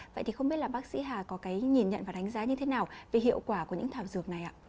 vậy thì không biết là bác sĩ hà có cái nhìn nhận và đánh giá như thế nào về hiệu quả của những thảo dược này ạ